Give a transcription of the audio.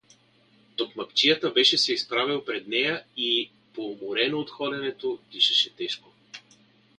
Токмакчията беше се изправил сред нея и поуморен от ходенето, дишаше тежко.